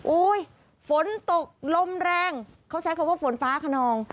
ฝนตกลมแรงเขาใช้คำว่าฝนฟ้าขนอง